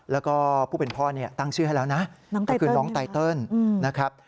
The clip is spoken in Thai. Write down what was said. แล้วก็ผู้เป็นพ่อเนี่ยตั้งชื่อให้แล้วนะก็คือน้องไตเติลนะครับ